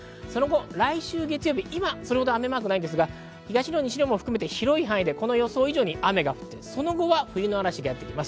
来週月曜日、今はそれほど雨マークはないですが、広い範囲で予想以上に雨が降って、その後は冬の嵐がやってきます。